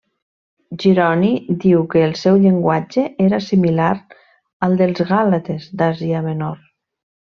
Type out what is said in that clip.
Jeroni diu que el seu llenguatge era similar al dels gàlates d'Àsia Menor.